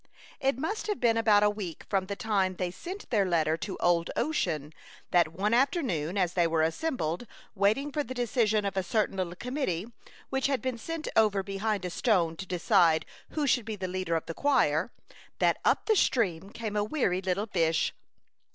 It must have been about a week from the time they sent their letter to Old Ocean, that one afternoon as they were assembled, waiting for the decision of a certain little commit tee, which had been sent over be hind a stone to decide who should be the leader of the choir, that up the stream came a weary little fish.